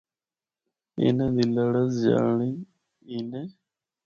انہاں دی لڑز جانڑی ای نے۔